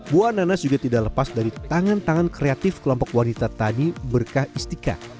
buah nanas juga tidak lepas dari tangan tangan kreatif kelompok wanita tani berkah istika